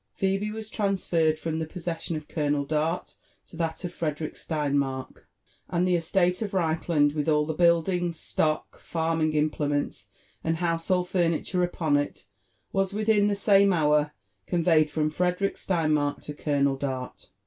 Phebe was transferred from the possession of ('olonel Dart to that of Frederick^Steinmark ; and the esUte of Reichland, with all the build JONATHAN JEFVER80N WHITLAW. t09 logs, Stock, farming iiDplemenis, and household furniture upon it, was, viihin the same hour, conveyed from Frederick Steinmark to Colonel Dart.